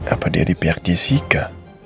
apa dia di pihak jessica